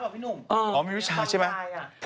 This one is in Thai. พี่หนุ่มบางทายอ่ะโอ้มีวิชาใช่ไหม